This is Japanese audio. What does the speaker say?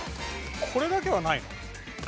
これだけはないの？